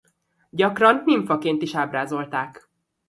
Gyakran nimfaként is ábrázolták.